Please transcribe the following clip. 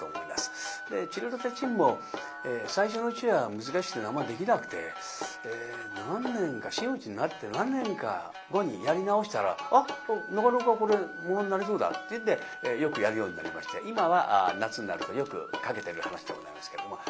「ちりとてちん」も最初のうちは難しくてあんまりできなくて真打になって何年か後にやり直したら「あっなかなかこれ物になりそうだ」っていうんでよくやるようになりまして今は夏になるとよくかけてる噺でございますけども。